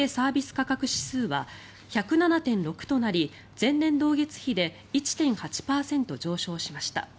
価格指数は１０７．６となり前年同月比で１．８％上昇しました。